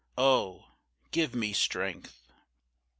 Oh! give me strength.